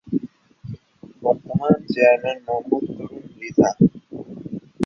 বর্তমান চেয়ারম্যান- মো: তরুন মৃধা